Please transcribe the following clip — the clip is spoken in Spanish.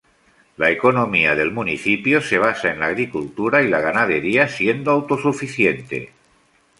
La economía del municipio se basa en la agricultura y la ganadería, siendo autosuficiente.